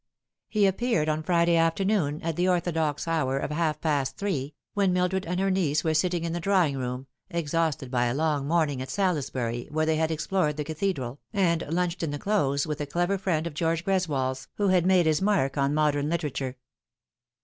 He appeared on Friday afternoon, at the orthodox hour of half past three, when Mildred and her niece were sitting in the drawing room, exhausted by a long morning at Salisbury, where they had explored the cathedral, and lunched in the Close with a clever friend of George Greswold's, who had made his mark on modern literature.